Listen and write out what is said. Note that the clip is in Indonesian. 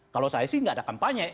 kalau saya sih nggak ada kampanye